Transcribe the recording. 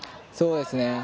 そうですね。